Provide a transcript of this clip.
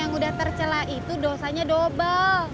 yang udah tercelai itu dosanya double